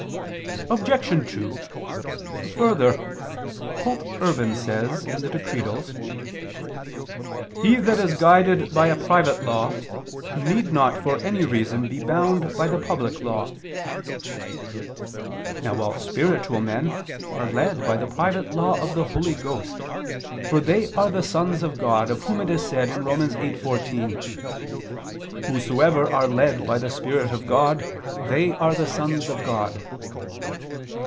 Obj. 2: Further, Pope Urban says [*Decretals. caus. xix, qu. 2]: "He that is guided by a private law need not for any reason be bound by the public law." Now all spiritual men are led by the private law of the Holy Ghost, for they are the sons of God, of whom it is said (Rom. 8:14): "Whosoever are led by the Spirit of God, they are the sons of God."